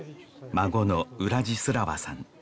孫のウラジスラワさん